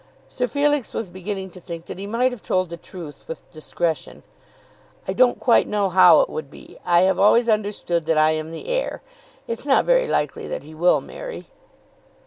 Sir Felix was beginning to think that he might have told the truth with discretion. "I don't quite know how it would be. I have always understood that I am the heir. It's not very likely that he will marry."